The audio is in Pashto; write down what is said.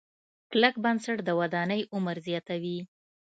کلک بنسټ د ودانۍ عمر زیاتوي.